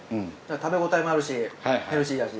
食べ応えもあるしヘルシーだし。